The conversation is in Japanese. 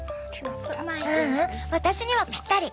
ううん私にはぴったり。